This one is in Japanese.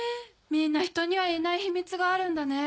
みんなひとには言えない秘密があるんだね。